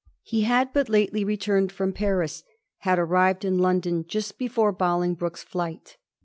He had but lately returned firom Paris ; had arrived in Xiondon just before Bolingbroke's flight.